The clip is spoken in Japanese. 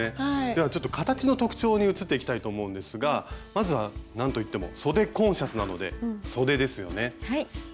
ではちょっと形の特徴に移っていきたいと思うんですがまずはなんといってもそでコンシャスなので「そで」ですよね。